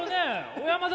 小山田。